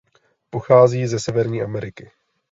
Pochází ze Severní Ameriky.